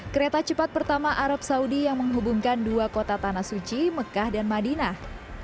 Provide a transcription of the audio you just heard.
kereta cepat pertama arab saudi yang menghubungkan dua kota tanah suci mekah dan madinah